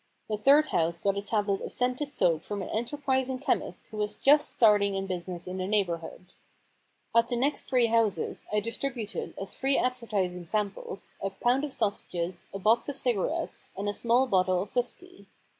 'The third house got a tablet of scented soap from an enter prising chemist who was just starting in business in the neighbourhood. At the next three houses I distributed as free advertising samples a pound of sausages, a box of cigar ettes, and a small bottle of whisky.